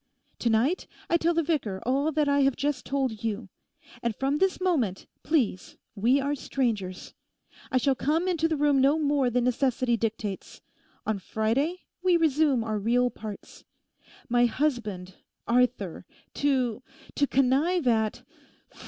To night I tell the vicar all that I have just told you. And from this moment, please, we are strangers. I shall come into the room no more than necessity dictates. On Friday we resume our real parts. My husband—Arthur—to—to connive at...